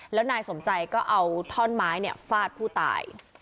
แล้วนายสมใจก็เอาท่อนไม้ฟาดผู้ตาย